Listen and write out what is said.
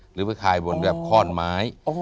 หรือไว้คลายไว้บนข้อนไม้